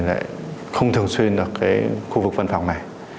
lại không thường xuyên ở khu vực văn phòng này